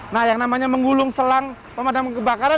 nah yang namanya menggulung selang pemadam kebakaran